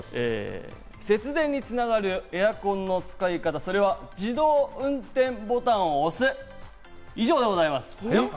節電に繋がるエアコンの使い方、それは自動運転ボタンを押す、以上でございます。